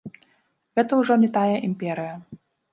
Гэта ўжо не тая імперыя.